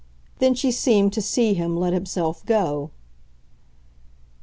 Then she seemed to see him let himself go.